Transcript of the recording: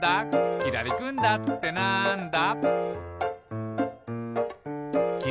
「きらりくんだってなんだ？」